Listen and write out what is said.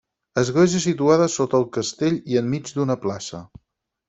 Església situada sota el castell i enmig d'una plaça.